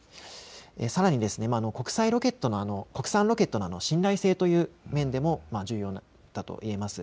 さらに国産ロケットの信頼性という面でも重要だと言えます。